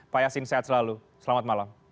pak yasin sehat selalu selamat malam